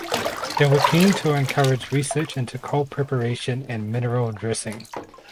They were keen to encourage research into coal preparation and mineral dressing.